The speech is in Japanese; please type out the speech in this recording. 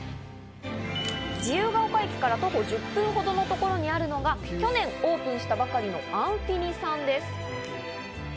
自由が丘駅から徒歩１０分ほどのところにあるのが去年オープンしたばかりのＩＮＦＩＮＩさんです。